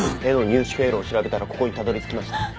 絵の入手経路を調べたらここにたどりつきました。